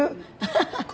ハハハッ。